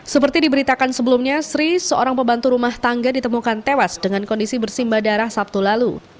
seperti diberitakan sebelumnya sri seorang pembantu rumah tangga ditemukan tewas dengan kondisi bersimba darah sabtu lalu